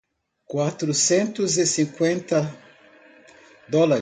Quatrocentos e cinquenta dólares.